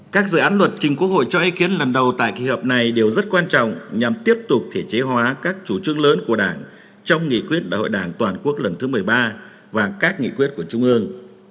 các dự án luật trình quốc hội cho ý kiến lần đầu tại kỳ họp này đều rất quan trọng nhằm tiếp tục thể chế hóa các chủ trương lớn của đảng trong nghị quyết đại hội đảng toàn quốc lần thứ một mươi ba và các nghị quyết của trung ương